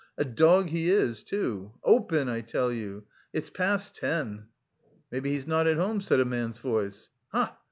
A dog he is too. Open I tell you. It's past ten." "Maybe he's not at home," said a man's voice. "Ha!